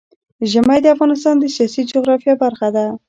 ژمی د افغانستان د سیاسي جغرافیه برخه ده.